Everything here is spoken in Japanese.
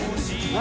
何？